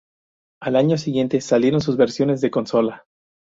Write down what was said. Al año siguiente salieron sus versiones de consola.